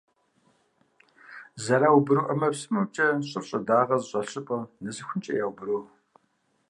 Зэраубру ӀэмэпсымэмкӀэ щӀыр щӀыдагъэ зыщӀэлъ щӀыпӀэм нэсыхункӀэ яубру.